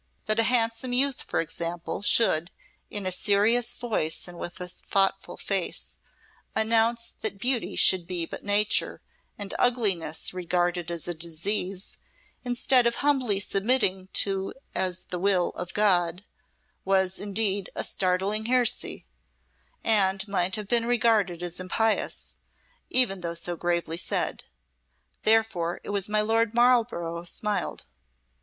That a handsome youth, for example, should, in a serious voice and with a thoughtful face, announce that beauty should be but nature, and ugliness regarded as a disease, instead of humbly submitted to as the will of God, was, indeed, a startling heresy and might have been regarded as impious, even though so gravely said. Therefore it was my Lord Marlborough smiled.